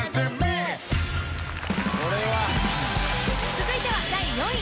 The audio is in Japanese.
［続いては第４位。